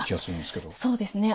そうですね